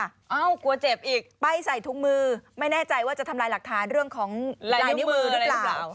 เอ้ากลัวเจ็บอีกป้ายใส่ถุงมือไม่แน่ใจว่าจะทำลายหลักฐานเรื่องของลายนิ้วมือหรือเปล่า